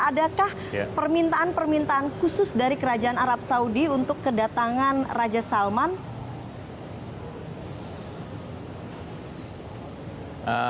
adakah permintaan permintaan khusus dari kerajaan arab saudi untuk kedatangan raja salman